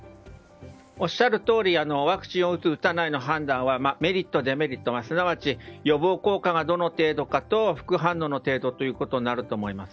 おっしゃるとおりワクチンを打つ打たないの判断はメリット、デメリットすなわち予防効果がどの程度かと副反応の程度ということになると思います。